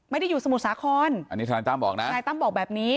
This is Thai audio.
ไม่ได้อยู่สมุทรสาครอันนี้ทนายตั้มบอกนะทนายตั้มบอกแบบนี้